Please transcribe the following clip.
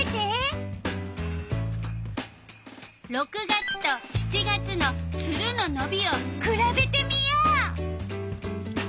６月と７月のツルののびをくらべてみよう。